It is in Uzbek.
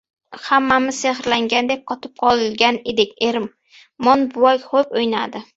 Hammamiz sehrlangandek qotib qolgan edik. Ermon buva xo‘p o‘ynadi!